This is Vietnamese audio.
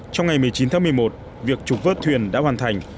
trong ngày một mươi chín tháng một mươi một việc trục vớt thuyền đã hoàn thành